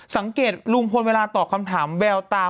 สังเกตลุงพลเวลาตอบคำถามแววตา